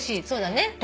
そうだね。